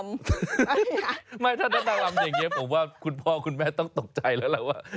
ไม่ถ้าถ้านางรำอย่างนี้ผมว่าคุณพ่อคุณแม่ต้องตกใจแล้วล่ะว่า